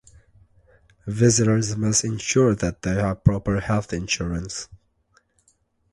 Visitors must ensure that they have proper health insurance.